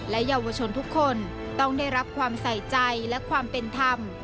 เยาวชนทุกคนต้องได้รับความใส่ใจและความเป็นธรรม